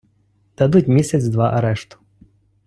Дадуть місяць-два арешту.